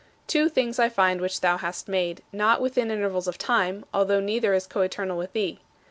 Two things I find which thou hast made, not within intervals of time, although neither is coeternal with thee.